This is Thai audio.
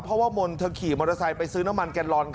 เพราะว่ามนต์เธอขี่มอเตอร์ไซค์ไปซื้อน้ำมันแกนลอน